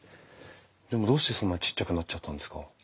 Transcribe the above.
でもどうしてそんなにちっちゃくなっちゃったんですか？